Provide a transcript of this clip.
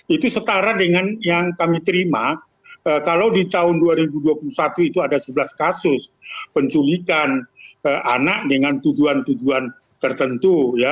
itu setara dengan yang kami terima kalau di tahun dua ribu dua puluh satu itu ada sebelas kasus penculikan anak dengan tujuan tujuan tertentu